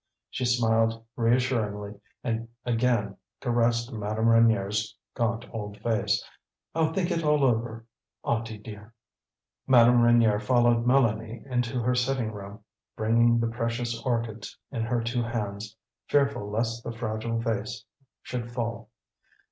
she smiled reassuringly and again caressed Madame Reynier's gaunt old face. "I'll think it all over, Auntie dear." Madame Reynier followed Mélanie into her sitting room, bringing the precious orchids in her two hands, fearful lest the fragile vase should fall.